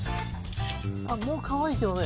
あもうかわいいけどね。